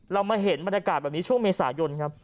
เรามาเห็นบรรยากาศแบบนี้ช่วงเมษายนครับ